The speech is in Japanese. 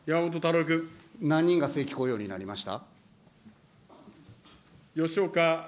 何人が正規雇用になりました。